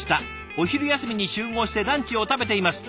お昼休みに集合してランチを食べています」。